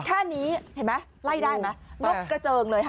แค่นี้เห็นไหมไล่ได้ไหมนกกระเจิงเลยค่ะ